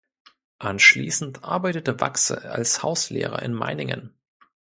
Anschließend arbeitete Wachse als Hauslehrer in Meiningen.